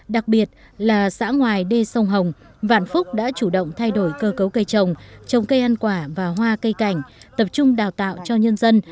đặc biệt là xã ngoài đê sông hồng vạn phúc đã chủ động thay đổi cơ cấu cây trồng trồng cây ăn quả và hoa cây cảnh tập trung đào tạo cho nhân dân